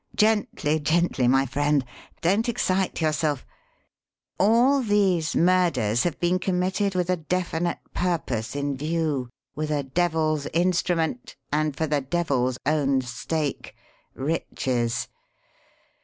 Gently, gently, my friend. Don't excite yourself. All these murders have been committed with a definite purpose in view, with a devil's instrument, and for the devil's own stake riches.